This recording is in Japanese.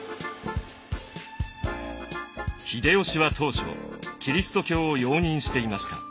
秀吉は当初キリスト教を容認していました。